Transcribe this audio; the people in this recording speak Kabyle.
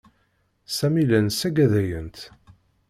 Sami llan saggadayent.